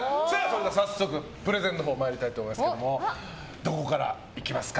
早速プレゼンのほうに参りたいと思いますがどこからいきますか？